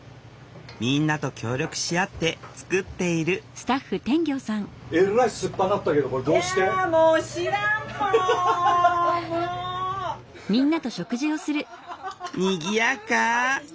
みんなと協力し合って作っているにぎやか。